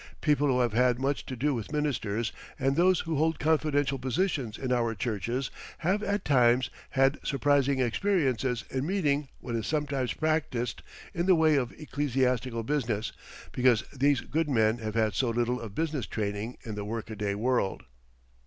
People who have had much to do with ministers and those who hold confidential positions in our churches have at times had surprising experiences in meeting what is sometimes practised in the way of ecclesiastical business, because these good men have had so little of business training in the work a day world.